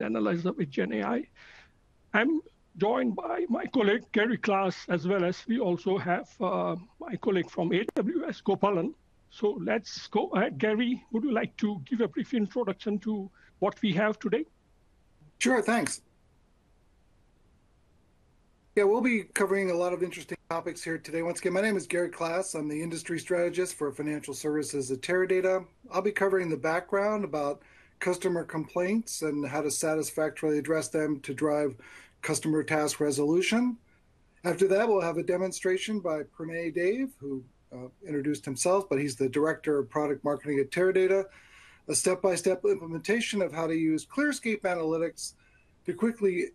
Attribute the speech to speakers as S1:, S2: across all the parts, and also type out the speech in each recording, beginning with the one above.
S1: Analyze that with GenAI. I'm joined by my colleague, Gary Class, as well as we also have my colleague from AWS, Gopalan. So let's go ahead. Gary, would you like to give a brief introduction to what we have today?
S2: Sure, thanks. Yeah, we'll be covering a lot of interesting topics here today. Once again, my name is Gary Class. I'm the Industry Strategist for Financial Services at Teradata. I'll be covering the background about customer complaints and how to satisfactorily address them to drive customer task resolution. After that, we'll have a demonstration by Pranay Dave, who, introduced himself, but he's the Director of Product Marketing at Teradata. A step-by-step implementation of how to use ClearScape Analytics to quickly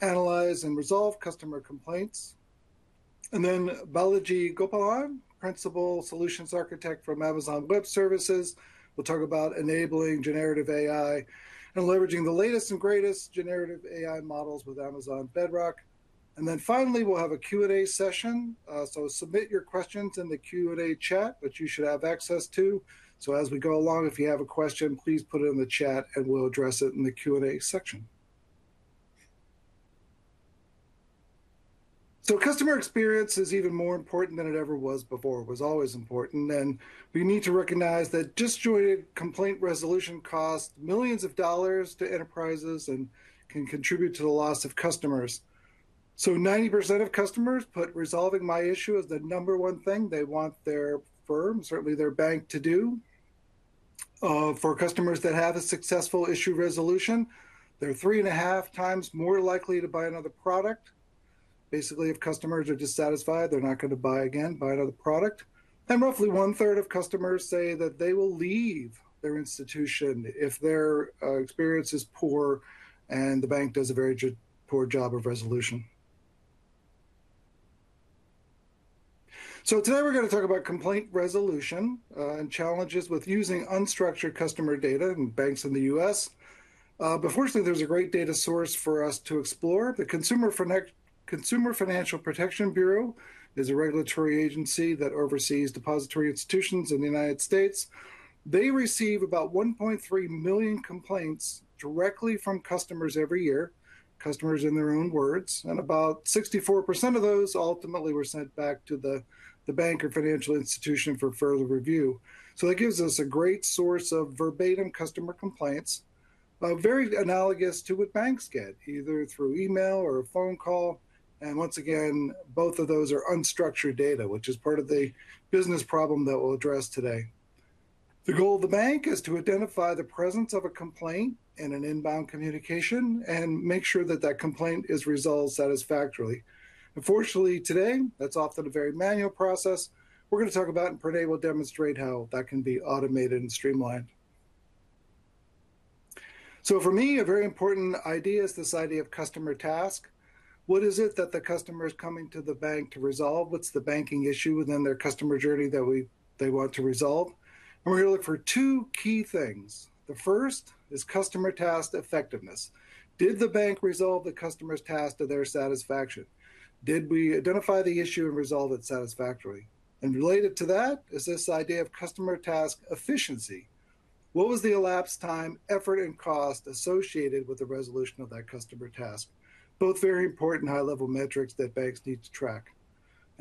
S2: analyze and resolve customer complaints. And then Balaji Gopalan, Principal Solutions Architect from Amazon Web Services, will talk about enabling generative AI and leveraging the latest and greatest generative AI models with Amazon Bedrock. And then finally, we'll have a Q&A session. So submit your questions in the Q&A chat, which you should have access to. So as we go along, if you have a question, please put it in the chat, and we'll address it in the Q&A section. Customer experience is even more important than it ever was before. It was always important, and we need to recognize that disjointed complaint resolution costs millions of dollars to enterprises and can contribute to the loss of customers. 90% of customers put resolving my issue as the number one thing they want their firm, certainly their bank, to do. For customers that have a successful issue resolution, they're 3.5 times more likely to buy another product. Basically, if customers are dissatisfied, they're not gonna buy again, buy another product. Roughly one-third of customers say that they will leave their institution if their experience is poor and the bank does a very poor job of resolution. So today we're gonna talk about complaint resolution and challenges with using unstructured customer data in banks in the U.S. But fortunately, there's a great data source for us to explore. The Consumer Financial Protection Bureau is a regulatory agency that oversees depository institutions in the United States. They receive about 1.3 million complaints directly from customers every year, customers in their own words, and about 64% of those ultimately were sent back to the bank or financial institution for further review. So that gives us a great source of verbatim customer complaints, very analogous to what banks get, either through email or a phone call, and once again, both of those are unstructured data, which is part of the business problem that we'll address today. The goal of the bank is to identify the presence of a complaint in an inbound communication and make sure that that complaint is resolved satisfactorily. Unfortunately, today, that's often a very manual process. We're gonna talk about, and Pranay will demonstrate how that can be automated and streamlined. So for me, a very important idea is this idea of customer task. What is it that the customer is coming to the bank to resolve? What's the banking issue within their customer journey that they want to resolve? And we're gonna look for two key things. The first is customer task effectiveness. Did the bank resolve the customer's task to their satisfaction? Did we identify the issue and resolve it satisfactorily? And related to that is this idea of customer task efficiency. What was the elapsed time, effort, and cost associated with the resolution of that customer task? Both very important high-level metrics that banks need to track.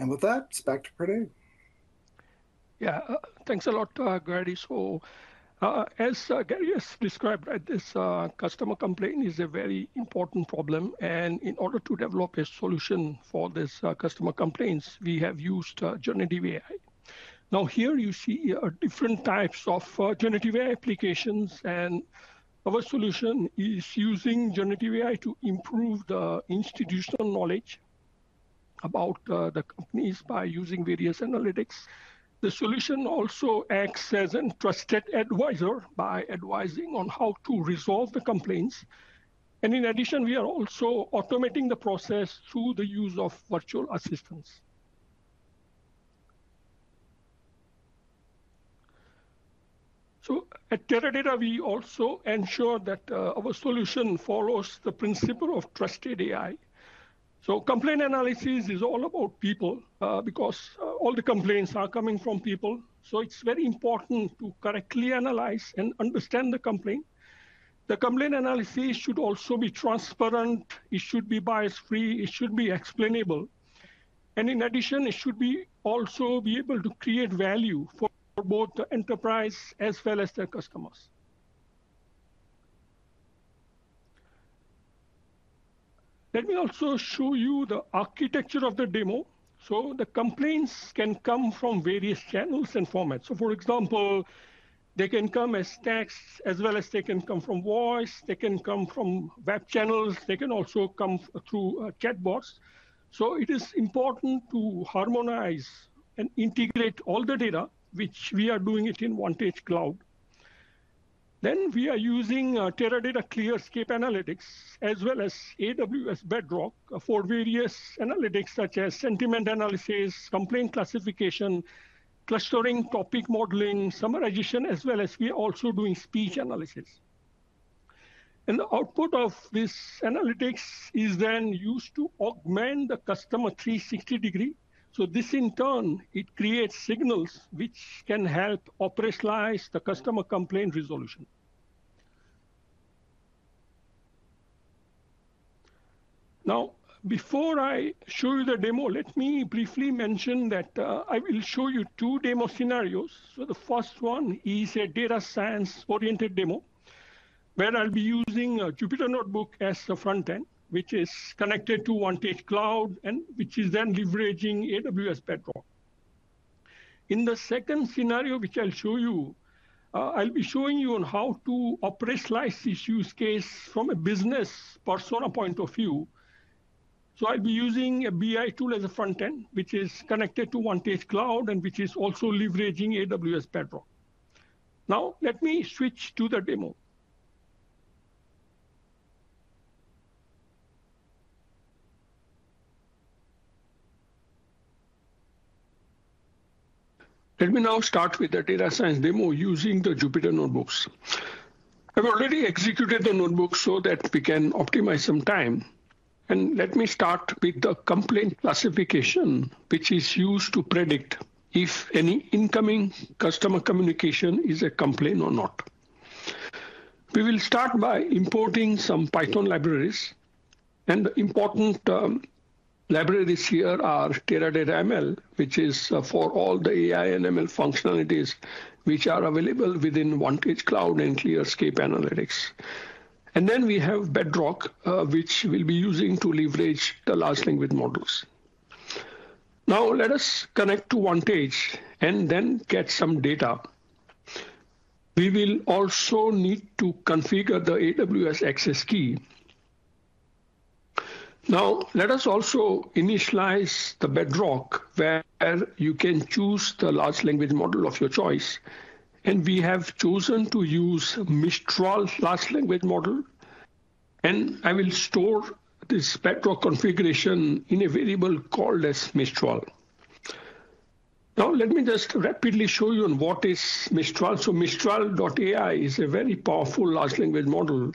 S2: With that, it's back to Pranay.
S1: Yeah, thanks a lot, Gary. So, as Gary has described, right, this customer complaint is a very important problem, and in order to develop a solution for this customer complaints, we have used generative AI. Now, here you see different types of generative AI applications, and our solution is using generative AI to improve the institutional knowledge about the companies by using various analytics. The solution also acts as a trusted advisor by advising on how to resolve the complaints. And in addition, we are also automating the process through the use of virtual assistants. So at Teradata, we also ensure that our solution follows the principle of trusted AI. So complaint analysis is all about people because all the complaints are coming from people, so it's very important to correctly analyze and understand the complaint. The complaint analysis should also be transparent, it should be bias-free, it should be explainable, and in addition, it should also be able to create value for both the enterprise as well as the customers. Let me also show you the architecture of the demo. The complaints can come from various channels and formats. For example, they can come as text, as well as they can come from voice, they can come from web channels, they can also come through a chatbot. It is important to harmonize and integrate all the data, which we are doing it in VantageCloud. Then we are using Teradata ClearScape Analytics, as well as AWS Bedrock, for various analytics, such as sentiment analysis, complaint classification, clustering, topic modeling, summarization, as well as we are also doing speech analysis. The output of this analytics is then used to augment the customer 360-degree, so this in turn, it creates signals which can help operationalize the customer complaint resolution. Now, before I show you the demo, let me briefly mention that, I will show you two demo scenarios. So the first one is a data science-oriented demo, where I'll be using a Jupyter Notebook as the front end, which is connected to VantageCloud and which is then leveraging Amazon Bedrock. In the second scenario, which I'll show you, I'll be showing you on how to operationalize this use case from a business persona point of view. So I'll be using a BI tool as a front end, which is connected to VantageCloud and which is also leveraging Amazon Bedrock. Now, let me switch to the demo. Let me now start with the data science demo using the Jupyter Notebooks. I've already executed the notebook so that we can optimize some time. Let me start with the complaint classification, which is used to predict if any incoming customer communication is a complaint or not. We will start by importing some Python libraries, and the important libraries here are Teradata ML, which is for all the AI and ML functionalities which are available within VantageCloud and ClearScape Analytics. Then we have Bedrock, which we'll be using to leverage the large language models. Now, let us connect to VantageCloud and then get some data. We will also need to configure the AWS access key. Now, let us also initialize the Bedrock, where you can choose the large language model of your choice. We have chosen to use Mistral Large language model, and I will store this Bedrock configuration in a variable called as Mistral. Now, let me just rapidly show you on what is Mistral. So Mistral AI is a very powerful large language model,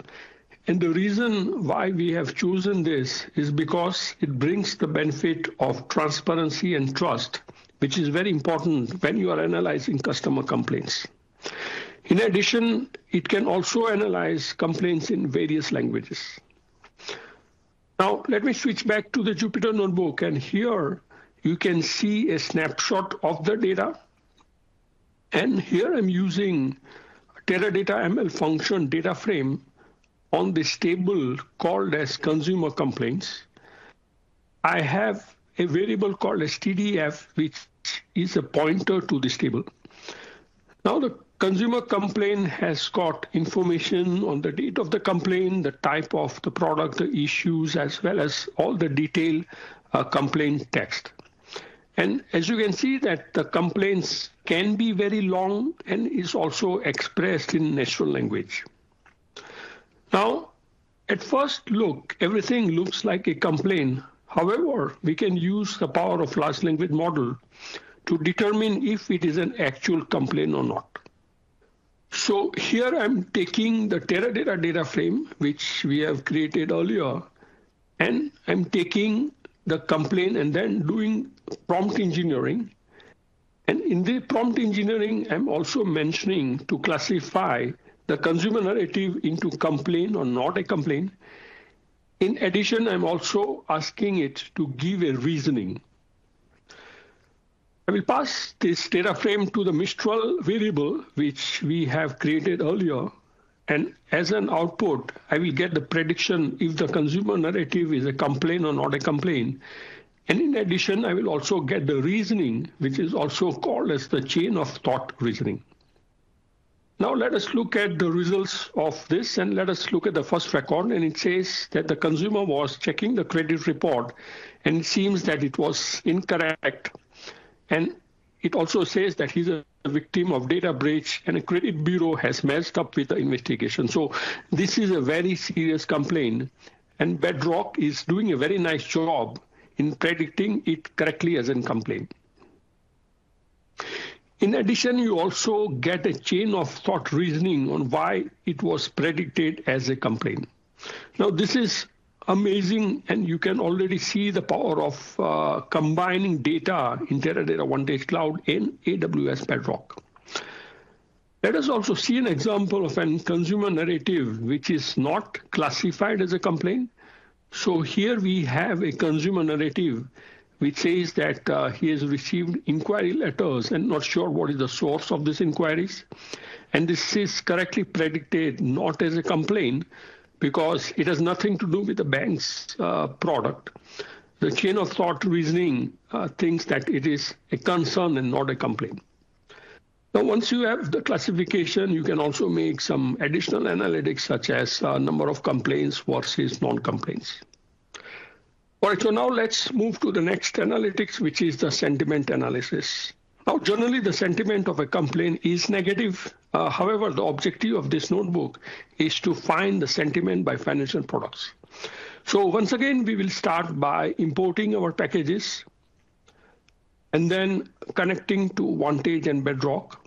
S1: and the reason why we have chosen this is because it brings the benefit of transparency and trust, which is very important when you are analyzing customer complaints. In addition, it can also analyze complaints in various languages. Now, let me switch back to the Jupyter Notebook, and here you can see a snapshot of the data. Here I'm using Teradata ML function DataFrame on this table called as Consumer Complaints. I have a variable called TDF, which is a pointer to this table. Now, the consumer complaint has got information on the date of the complaint, the type of the product, the issues, as well as all the detailed, complaint text. And as you can see that the complaints can be very long and is also expressed in natural language. Now, at first look, everything looks like a complaint. However, we can use the power of large language model to determine if it is an actual complaint or not. So here I'm taking the Teradata DataFrame, which we have created earlier, and I'm taking the complaint and then doing prompt engineering. And in the prompt engineering, I'm also mentioning to classify the consumer narrative into complaint or not a complaint. In addition, I'm also asking it to give a reasoning. I will pass this DataFrame to the Mistral variable, which we have created earlier, and as an output, I will get the prediction if the consumer narrative is a complaint or not a complaint. In addition, I will also get the reasoning, which is also called as the Chain of Thought reasoning. Now, let us look at the results of this, and let us look at the first record, and it says that the consumer was checking the credit report, and it seems that it was incorrect. It also says that he's a victim of data breach, and a credit bureau has messed up with the investigation. This is a very serious complaint, and Bedrock is doing a very nice job in predicting it correctly as a complaint. In addition, you also get a Chain of Thought reasoning on why it was predicted as a complaint. Now, this is amazing, and you can already see the power of combining data in Teradata VantageCloud in Amazon Bedrock. Let us also see an example of a consumer narrative which is not classified as a complaint. So here we have a consumer narrative which says that he has received inquiry letters and not sure what is the source of these inquiries. And this is correctly predicted not as a complaint because it has nothing to do with the bank's product. The Chain of Thought reasoning thinks that it is a concern and not a complaint. Now, once you have the classification, you can also make some additional analytics, such as number of complaints versus non-complaints. All right, so now let's move to the next analytics, which is the sentiment analysis. Now, generally, the sentiment of a complaint is negative. However, the objective of this notebook is to find the sentiment by financial products. So once again, we will start by importing our packages and then connecting to Vantage and Bedrock.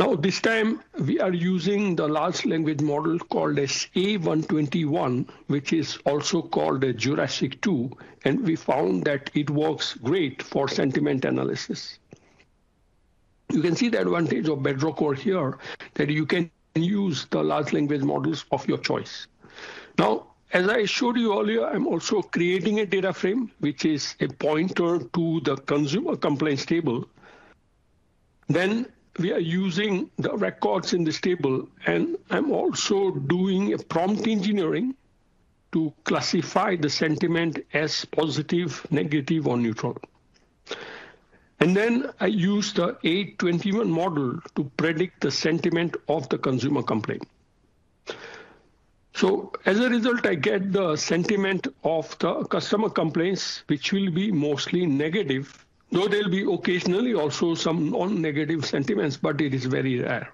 S1: Now, this time, we are using the large language model called as AI21, which is also called a Jurassic-2, and we found that it works great for sentiment analysis. You can see the advantage of Bedrock over here, that you can use the large language models of your choice. Now, as I showed you earlier, I'm also creating a DataFrame, which is a pointer to the consumer complaints table. Then we are using the records in this table, and I'm also doing a prompt engineering to classify the sentiment as positive, negative, or neutral. And then I use the AI21 model to predict the sentiment of the consumer complaint. So as a result, I get the sentiment of the customer complaints, which will be mostly negative, though there'll be occasionally also some non-negative sentiments, but it is very rare.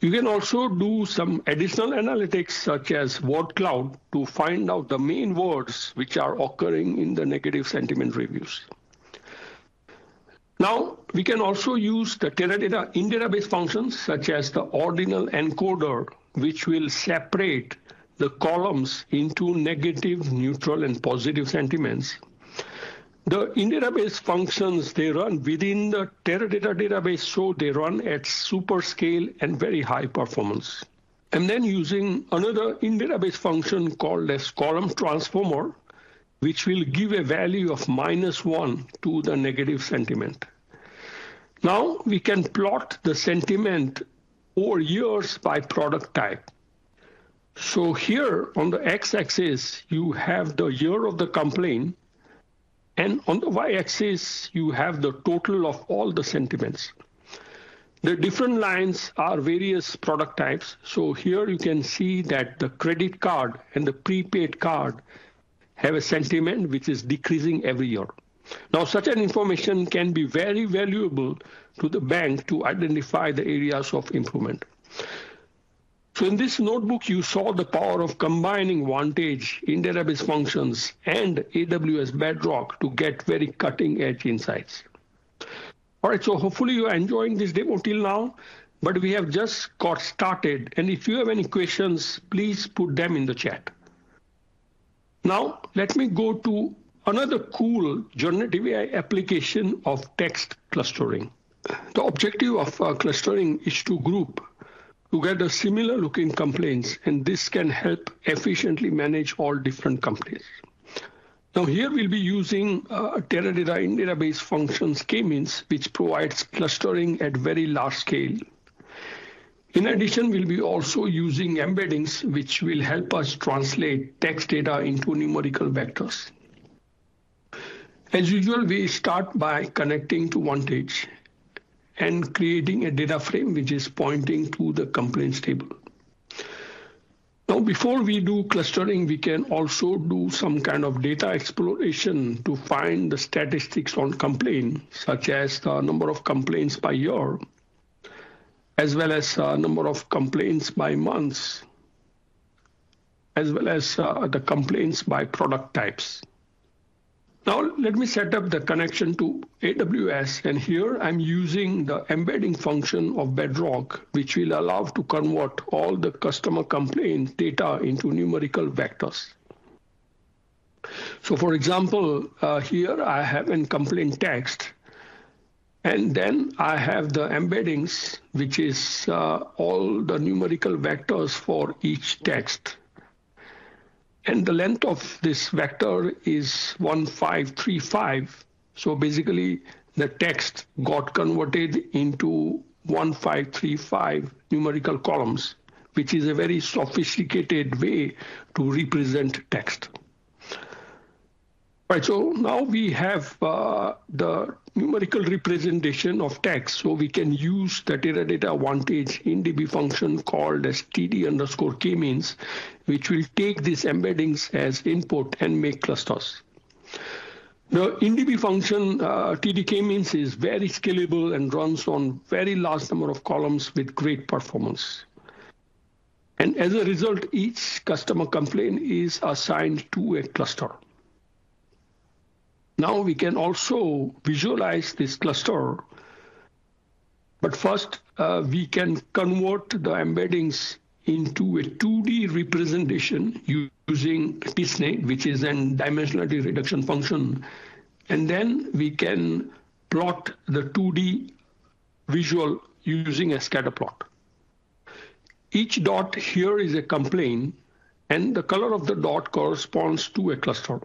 S1: You can also do some additional analytics, such as word cloud, to find out the main words which are occurring in the negative sentiment reviews. Now, we can also use the Teradata in-database functions, such as the OrdinalEncoder, which will separate the columns into negative, neutral, and positive sentiments. The in-database functions, they run within the Teradata database, so they run at super scale and very high performance. And then using another in-database function called as ColumnTransformer, which will give a value of minus one to the negative sentiment. Now we can plot the sentiment over years by product type. So here on the x-axis, you have the year of the complaint, and on the y-axis, you have the total of all the sentiments. The different lines are various product types. So here you can see that the credit card and the prepaid card have a sentiment which is decreasing every year. Now, such an information can be very valuable to the bank to identify the areas of improvement. So in this notebook, you saw the power of combining Vantage in-database functions and AWS Bedrock to get very cutting-edge insights. All right, so hopefully you are enjoying this demo till now, but we have just got started, and if you have any questions, please put them in the chat. Now, let me go to another cool generative AI application of text clustering. The objective of clustering is to group, to get similar-looking complaints, and this can help efficiently manage all different complaints. Now, here we'll be using Teradata in-database functions k-means, which provides clustering at very large scale. In addition, we'll be also using embeddings, which will help us translate text data into numerical vectors. As usual, we start by connecting to Vantage and creating a data frame, which is pointing to the complaints table. Now, before we do clustering, we can also do some kind of data exploration to find the statistics on complaint, such as the number of complaints by year, as well as number of complaints by months, as well as the complaints by product types. Now, let me set up the connection to AWS, and here I'm using the embedding function of Bedrock, which will allow to convert all the customer complaint data into numerical vectors. So for example, here I have a complaint text, and then I have the embeddings, which is all the numerical vectors for each text. And the length of this vector is 1,535. So basically, the text got converted into 1,535 numerical columns, which is a very sophisticated way to represent text. Right, so now we have the numerical representation of text, so we can use the Teradata Vantage in DB function, called as TD_KMeans, which will take these embeddings as input and make clusters. Now, in DB function, TD_KMeans is very scalable and runs on very large number of columns with great performance. As a result, each customer complaint is assigned to a cluster. Now, we can also visualize this cluster, but first, we can convert the embeddings into a 2D representation using t-SNE, which is a dimensionality reduction function, and then we can plot the 2D visual using a scatter plot. Each dot here is a complaint, and the color of the dot corresponds to a cluster.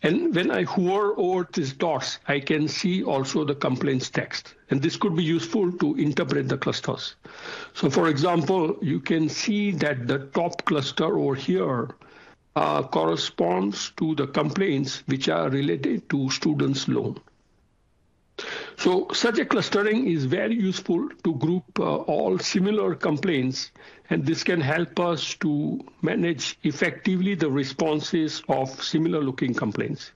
S1: When I hover over these dots, I can see also the complaints text, and this could be useful to interpret the clusters. For example, you can see that the top cluster over here corresponds to the complaints which are related to student loan. Such a clustering is very useful to group all similar complaints, and this can help us to manage effectively the responses of similar-looking complaints.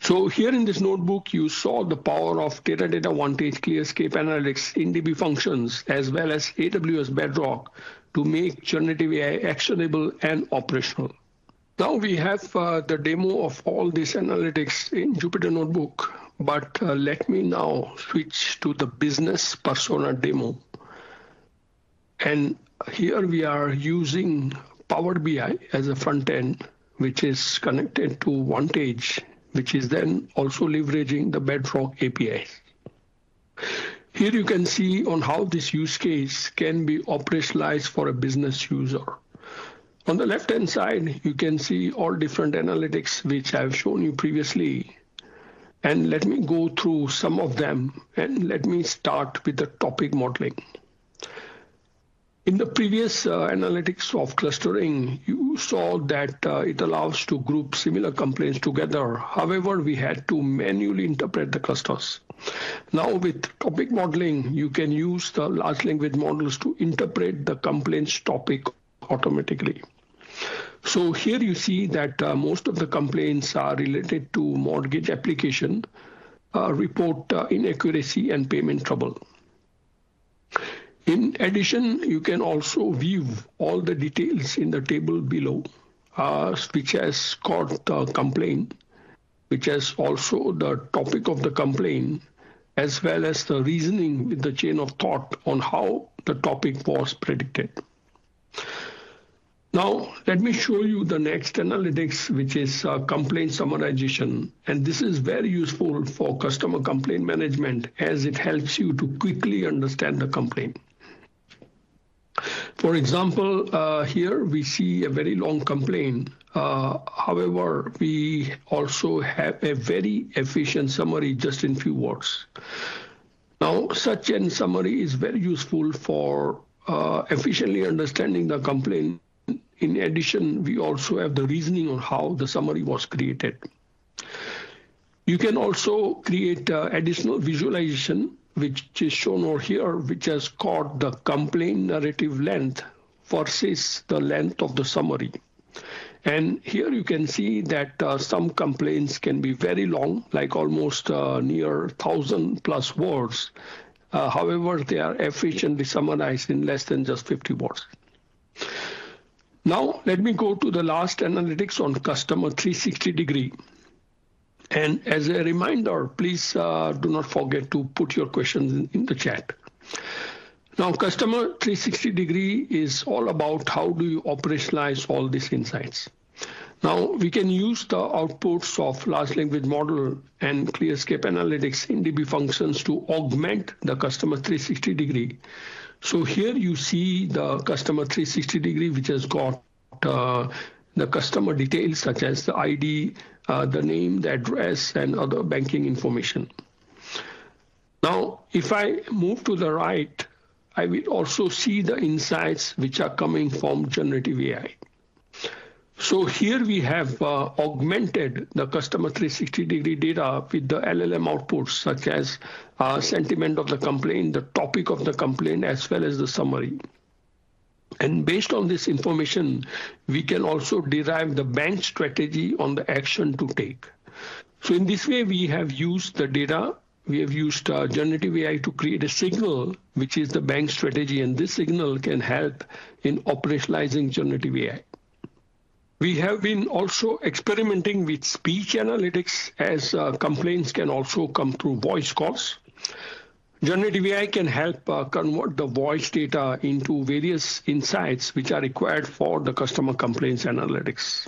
S1: So here in this notebook, you saw the power of Teradata Vantage ClearScape Analytics in DB functions, as well as AWS Bedrock, to make generative AI actionable and operational. Now we have the demo of all these analytics in Jupyter Notebook, but let me now switch to the business persona demo, and here we are using Power BI as a front end, which is connected to Vantage, which is then also leveraging the Bedrock APIs. Here you can see on how this use case can be operationalized for a business user. On the left-hand side, you can see all different analytics which I've shown you previously, and let me go through some of them, and let me start with the topic modeling. In the previous analytics of clustering, you saw that it allows to group similar complaints together. However, we had to manually interpret the clusters. Now, with topic modeling, you can use the large language models to interpret the complaints topic automatically. So here you see that, most of the complaints are related to mortgage application, report inaccuracy, and payment trouble. In addition, you can also view all the details in the table below, which has got the complaint, which has also the topic of the complaint, as well as the reasoning with the chain of thought on how the topic was predicted. Now, let me show you the next analytics, which is, complaint summarization, and this is very useful for customer complaint management, as it helps you to quickly understand the complaint. For example, here we see a very long complaint. However, we also have a very efficient summary just in few words. Now, such a summary is very useful for, efficiently understanding the complaint. In addition, we also have the reasoning on how the summary was created. You can also create additional visualization, which is shown over here, which has got the complaint narrative length versus the length of the summary. And here you can see that some complaints can be very long, like almost near 1,000+ words. However, they are efficiently summarized in less than just 50 words. Now, let me go to the last analytics on Customer 360-degree. And as a reminder, please do not forget to put your questions in the chat. Now, Customer 360-degree is all about how do you operationalize all these insights? Now, we can use the outputs of large language model and ClearScape Analytics in-database functions to augment the Customer 360-degree. So here you see the Customer 360-degree, which has got the customer details, such as the ID, the name, the address, and other banking information. Now, if I move to the right, I will also see the insights which are coming from generative AI. So here we have augmented the Customer 360-degree data with the LLM outputs, such as sentiment of the complaint, the topic of the complaint, as well as the summary. And based on this information, we can also derive the bank strategy on the action to take. So in this way, we have used the data, we have used generative AI to create a signal, which is the bank strategy, and this signal can help in operationalizing generative AI. We have been also experimenting with speech analytics, as complaints can also come through voice calls. Generative AI can help convert the voice data into various insights which are required for the customer complaints analytics.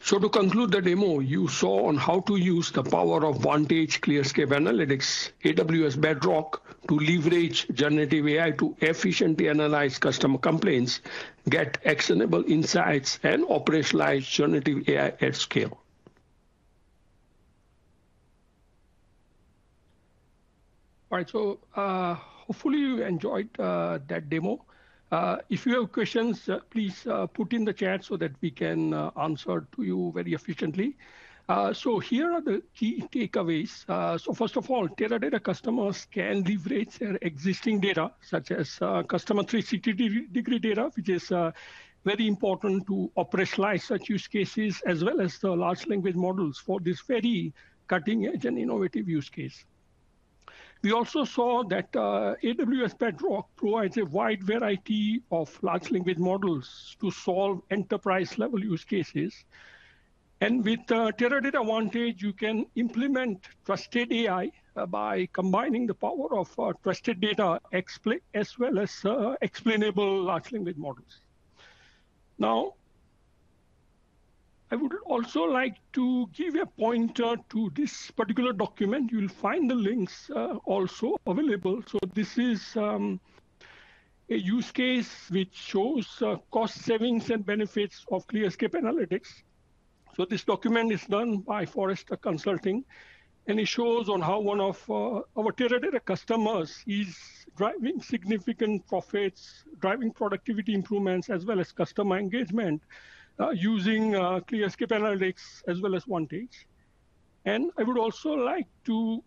S1: So to conclude the demo, you saw how to use the power of Vantage ClearScape Analytics, AWS Bedrock, to leverage generative AI to efficiently analyze customer complaints, get actionable insights, and operationalize generative AI at scale. All right, so, hopefully you enjoyed that demo. If you have questions, please put in the chat so that we can answer to you very efficiently. So here are the key takeaways. So first of all, Teradata customers can leverage their existing data, such as customer 360-degree data, which is very important to operationalize such use cases, as well as the large language models for this very cutting-edge and innovative use case. We also saw that AWS Bedrock provides a wide variety of large language models to solve enterprise-level use cases. With Teradata Vantage, you can implement trusted AI by combining the power of trusted data as well as explainable large language models. Now, I would also like to give a pointer to this particular document. You'll find the links also available. This is a use case which shows cost savings and benefits of ClearScape Analytics. This document is done by Forrester Consulting, and it shows how one of our Teradata customers is driving significant profits, driving productivity improvements, as well as customer engagement using ClearScape Analytics, as well as Vantage. I would also like to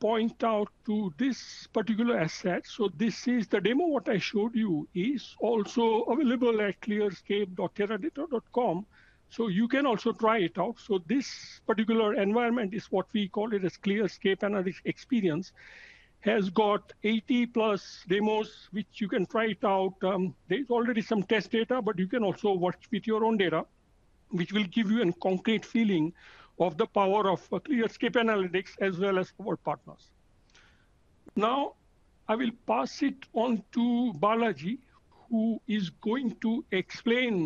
S1: point out to this particular asset. So this is the demo what I showed you, is also available at clearscape.teradata.com, so you can also try it out. So this particular environment is what we call it as ClearScape Analytics Experience, has got 80-plus demos which you can try it out. There's already some test data, but you can also work with your own data... which will give you a concrete feeling of the power of ClearScape Analytics as well as our partners. Now, I will pass it on to Balaji, who is going to explain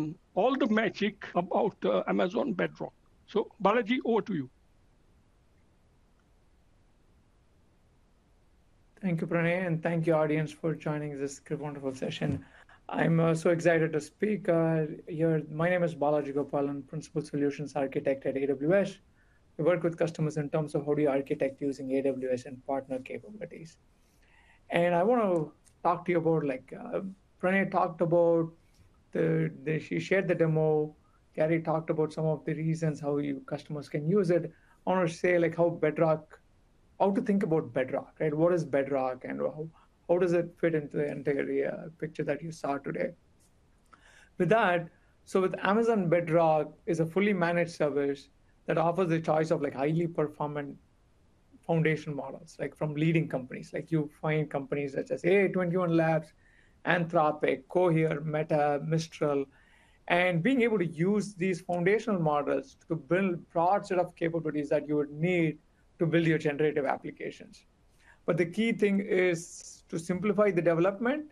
S1: all the magic about Amazon Bedrock. So Balaji, over to you.
S3: Thank you, Pranay, and thank you, audience, for joining this wonderful session. I'm so excited to speak here. My name is Balaji Gopalan, Principal Solutions Architect at AWS. We work with customers in terms of how do you architect using AWS and partner capabilities. And I wanna talk to you about like, Pranay talked about the-- she shared the demo. Gary talked about some of the reasons how you customers can use it. I wanna say, like, how Bedrock... how to think about Bedrock, right? What is Bedrock, and how does it fit into the entire picture that you saw today? With that, so with Amazon Bedrock is a fully managed service that offers a choice of, like, highly performing foundation models, like from leading companies. Like, you find companies such as AI21 Labs, Anthropic, Cohere, Meta, Mistral, and being able to use these foundational models to build broad set of capabilities that you would need to build your generative applications. But the key thing is to simplify the development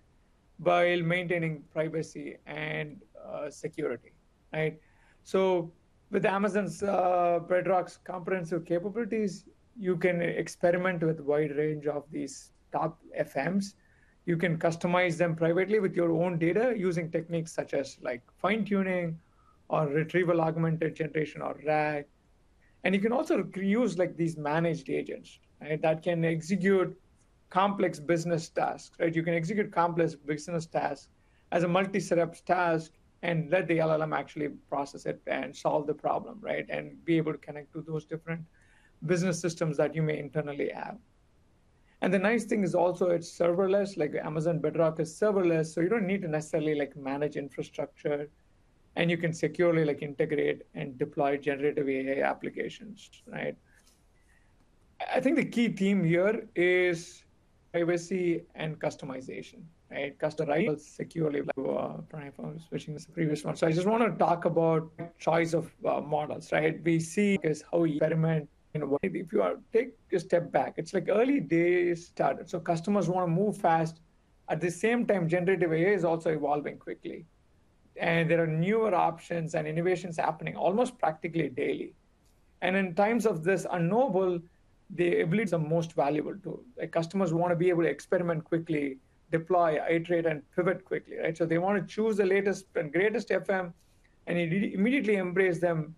S3: while maintaining privacy and security, right? So with Amazon Bedrock's comprehensive capabilities, you can experiment with a wide range of these top FMs. You can customize them privately with your own data using techniques such as, like, fine-tuning or retrieval augmented generation, or RAG. And you can also use, like, these managed agents, right? That can execute complex business tasks, right? You can execute complex business tasks as a multi-step task and let the LLM actually process it and solve the problem, right? And be able to connect to those different business systems that you may internally have. And the nice thing is also it's serverless. Like, Amazon Bedrock is serverless, so you don't need to necessarily, like, manage infrastructure, and you can securely, like, integrate and deploy generative AI applications, right? I think the key theme here is privacy and customization, right? Customize securely to, switching this previous one. So I just wanna talk about choice of, models, right? We see is how you experiment in a way. If you are—take a step back, it's like early days started, so customers wanna move fast. At the same time, generative AI is also evolving quickly, and there are newer options and innovations happening almost practically daily. And in times of this unknowable, the ability is the most valuable tool. Like, customers wanna be able to experiment quickly, deploy, iterate, and pivot quickly, right? So they wanna choose the latest and greatest FM and immediately embrace them,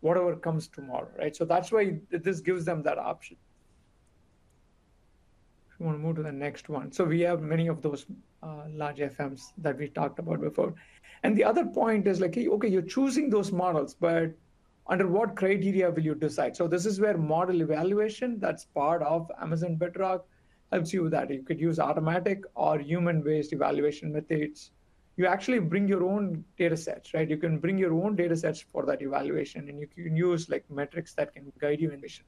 S3: whatever comes tomorrow, right? So that's why this gives them that option. If you wanna move to the next one. So we have many of those, large FMs that we talked about before. And the other point is, like, okay, you're choosing those models, but under what criteria will you decide? So this is where model evaluation, that's part of Amazon Bedrock, helps you with that. You could use automatic or human-based evaluation methods. You actually bring your own data sets, right? You can bring your own data sets for that evaluation, and you can use, like, metrics that can guide you in this.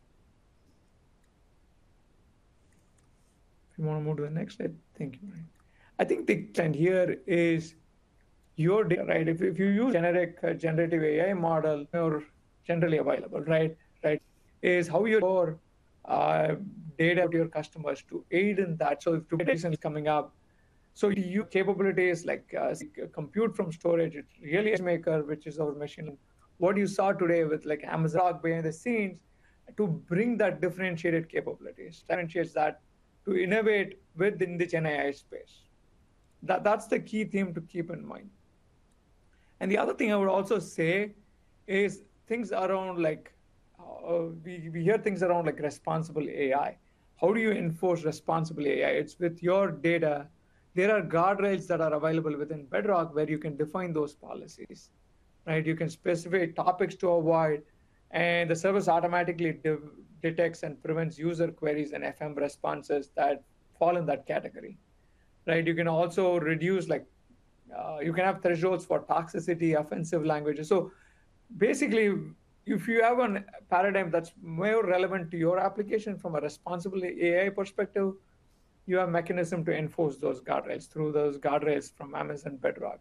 S3: If you wanna move to the next slide. Thank you. I think the trend here is your data, right? If you use generic generative AI model or generally available, right? Right. Is how your data of your customers to aid in that. So coming up, so your capabilities like compute from storage, it's really SageMaker, which is our mission. What you saw today with, like, Amazon behind the scenes to bring that differentiated capabilities, differentiates that to innovate within the gen AI space. That's the key theme to keep in mind. And the other thing I would also say is things around, like, we hear things around, like, responsible AI. How do you enforce responsible AI? It's with your data. There are guardrails that are available within Bedrock, where you can define those policies, right? You can specify topics to avoid, and the service automatically detects and prevents user queries and FM responses that fall in that category, right? You can also reduce, like. You can have thresholds for toxicity, offensive languages. So basically, if you have a paradigm that's more relevant to your application from a responsible AI perspective, you have mechanism to enforce those guardrails through those guardrails from Amazon Bedrock.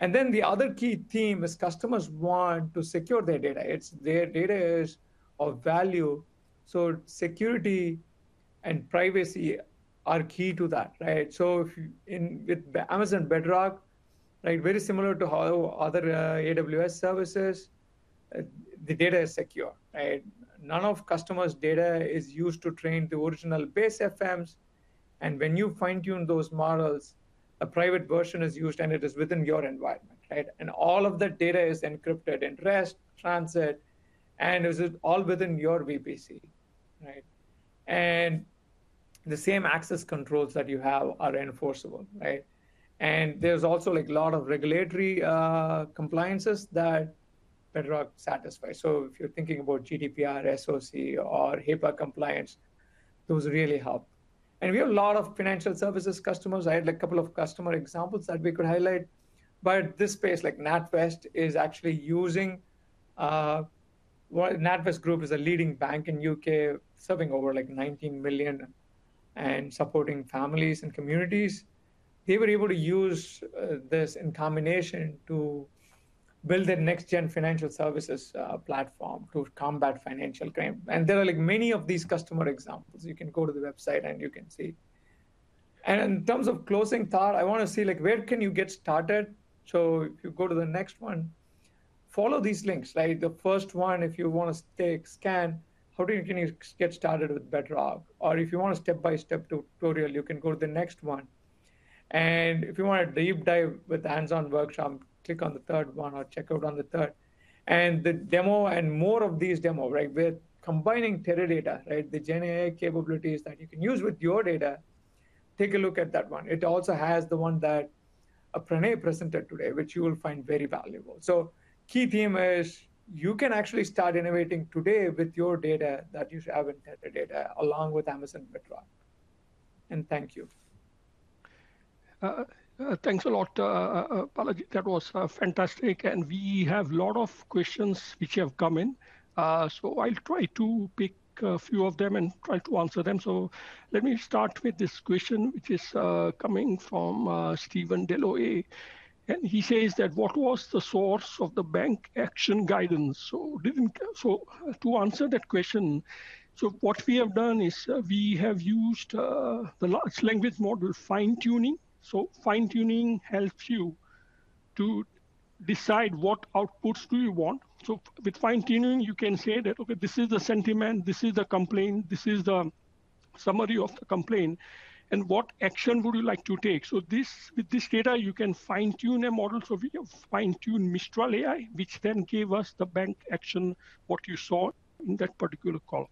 S3: And then the other key theme is customers want to secure their data. It's their data is of value, so security and privacy are key to that, right? So, in with Amazon Bedrock, right, very similar to how other AWS services, the data is secure, right? None of customers' data is used to train the original base FMs. And when you fine-tune those models, a private version is used, and it is within your environment, right? And all of the data is encrypted in rest, transit, and is it all within your VPC, right? And the same access controls that you have are enforceable, right? And there's also, like, a lot of regulatory compliances that Bedrock satisfies. So if you're thinking about GDPR, SOC, or HIPAA compliance, those really help. And we have a lot of financial services customers. I had a couple of customer examples that we could highlight, but this space, like NatWest, is actually using Well, NatWest Group is a leading bank in U.K., serving over, like, 19 million and supporting families and communities. They were able to use this in combination to build a next-gen financial services platform to combat financial crime. And there are, like, many of these customer examples. You can go to the website, and you can see. And in terms of closing thought, I wanna see, like, where can you get started? So if you go to the next one, follow these links. Like, the first one, if you wanna take scan, how do you—can you get started with Bedrock? Or if you want a step-by-step tutorial, you can go to the next one. And if you want a deep dive with a hands-on workshop, click on the third one or check out on the third. And the demo and more of these demo, right, we're combining Teradata, right? The GenAI capabilities that you can use with your data. Take a look at that one. It also has the one that, Pranay presented today, which you will find very valuable. So key theme is you can actually start innovating today with your data that you have in Teradata, along with Amazon Bedrock. And thank you.
S1: Thanks a lot, Balaji. That was fantastic, and we have a lot of questions which have come in. So I'll try to pick a few of them and try to answer them. So let me start with this question, which is coming from Steven DeLoy. And he says that, "What was the source of the bank action guidance?" So to answer that question, what we have done is, we have used the large language model fine-tuning. So fine-tuning helps you to decide what outputs do you want. So with fine-tuning, you can say that, "Okay, this is the sentiment, this is the complaint, this is the summary of the complaint, and what action would you like to take?" So this, with this data, you can fine-tune a model. So we can fine-tune Mistral AI, which then gave us the bank action, what you saw in that particular call.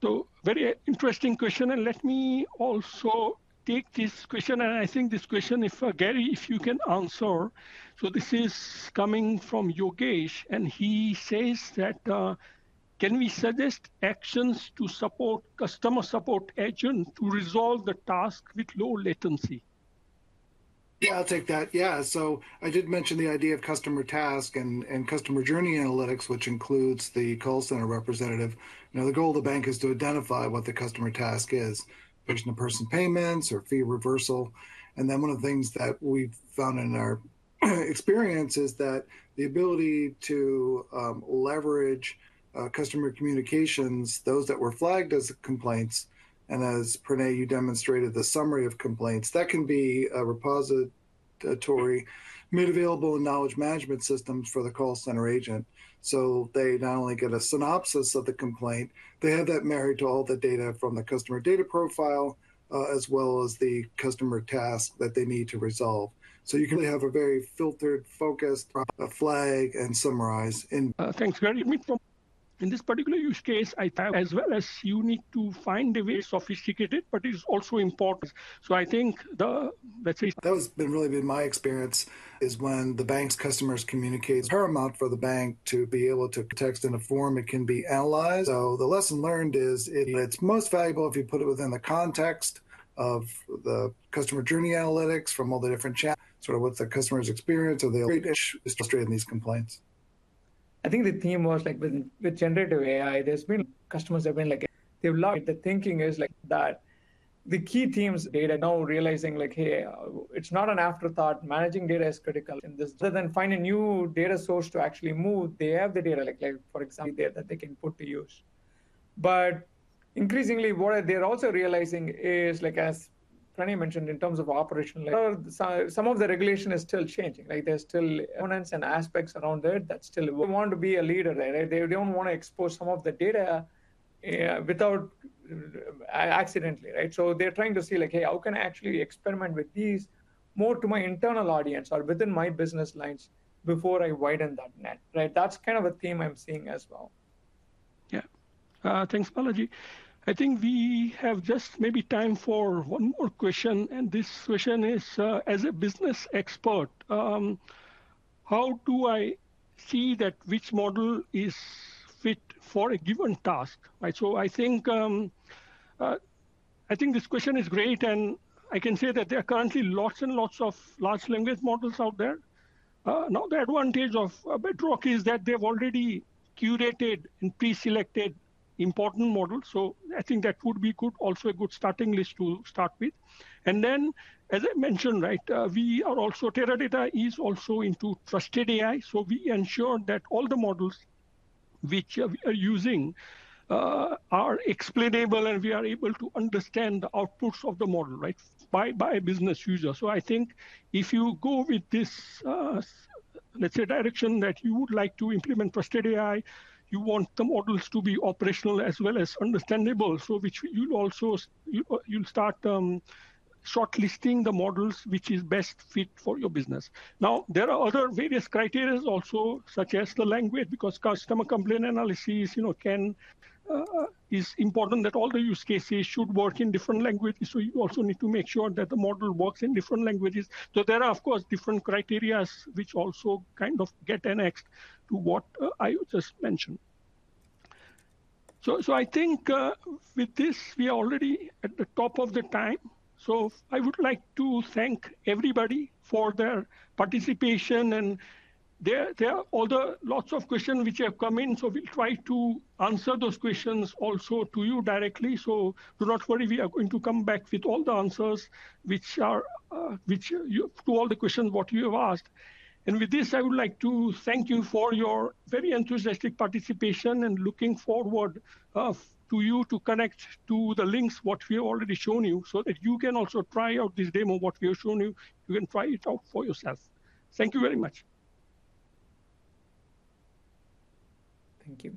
S1: So very interesting question, and let me also take this question, and I think this question, if, Gary, if you can answer. So this is coming from Yogesh, and he says that, "Can we suggest actions to support customer support agent to resolve the task with low latency?
S2: Yeah, I'll take that. Yeah, so I did mention the idea of customer task and customer journey analytics, which includes the call center representative. Now, the goal of the bank is to identify what the customer task is, person-to-person payments or fee reversal. And then one of the things that we've found in our experience is that the ability to leverage customer communications, those that were flagged as complaints, and as Pranay, you demonstrated, the summary of complaints, that can be a repository made available in knowledge management systems for the call center agent. So they not only get a synopsis of the complaint, they have that married to all the data from the customer data profile, as well as the customer task that they need to resolve. So you can have a very filtered, focused, flag and summarize and-
S1: Thanks very much. In this particular use case, I have as well as you need to find a way sophisticated, but it's also important. So I think the, let's say-
S2: That has really been my experience, is when the bank's customers communicate, paramount for the bank to be able to text in a form it can be analyzed. So the lesson learned is, it's most valuable if you put it within the context of the customer journey analytics from all the different chat, sort of what the customer's experience or the... is illustrating these complaints.
S3: I think the theme was, like, with generative AI, there's been customers have been like... They've learned the thinking is like that. The key themes data now realizing like, "Hey, it's not an afterthought. Managing data is critical." And this, rather than find a new data source to actually move, they have the data, like, for example, data that they can put to use. But increasingly, what they're also realizing is, like, as Pranay mentioned, in terms of operational, so some of the regulation is still changing. Like, there's still components and aspects around there that still... They want to be a leader there, right? They don't wanna expose some of the data, without accidentally, right? So they're trying to see, like, "Hey, how can I actually experiment with these more to my internal audience or within my business lines before I widen that net," right? That's kind of a theme I'm seeing as well.
S1: Yeah. Thanks, Balaji. I think we have just maybe time for one more question, and this question is: As a business expert, how do I see that which model is fit for a given task, right? So I think, I think this question is great, and I can say that there are currently lots and lots of large language models out there. Now, the advantage of, Bedrock is that they've already curated and preselected important models, so I think that would be good, also a good starting list to start with. And then, as I mentioned, right, we are also, Teradata is also into trusted AI, so we ensure that all the models which we are using, are explainable, and we are able to understand the outputs of the model, right? By business user. So I think if you go with this, let's say, direction that you would like to implement trusted AI, you want the models to be operational as well as understandable, so which you'd also, you'll start shortlisting the models which is best fit for your business. Now, there are other various criteria also, such as the language, because customer complaint analysis, you know, is important that all the use cases should work in different languages. So you also need to make sure that the model works in different languages. So there are, of course, different criteria which also kind of get annexed to what I just mentioned. So I think, with this, we are already at the top of the time, so I would like to thank everybody for their participation. And there are other lots of questions which have come in, so we'll try to answer those questions also to you directly. So do not worry, we are going to come back with all the answers, which are to all the questions what you have asked. And with this, I would like to thank you for your very enthusiastic participation, and looking forward to you to connect to the links what we have already shown you, so that you can also try out this demo what we have shown you. You can try it out for yourself. Thank you very much.
S2: Thank you.